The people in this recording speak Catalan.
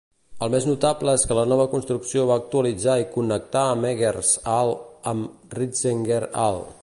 El més notable és que la nova construcció va actualitzar i connectar Meggers Hall amb Ritzinger Hall.